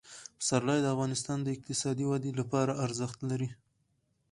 پسرلی د افغانستان د اقتصادي ودې لپاره ارزښت لري.